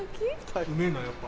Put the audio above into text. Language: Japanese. うめぇなやっぱ。